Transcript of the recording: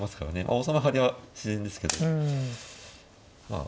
王様上がりは自然ですけどまあ